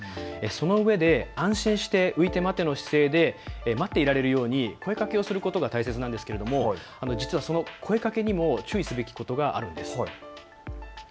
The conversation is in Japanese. そのうえで安心して浮いて待ての姿勢で待っていられるように声かけをすることが大切なのですが実はその声かけにも注意すべきことがあるんです。